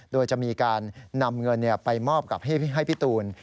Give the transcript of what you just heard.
โดยจะมีการนำเงินไปมอบกับให้พี่ตูน